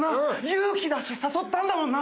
勇気出して誘ったんだもんな。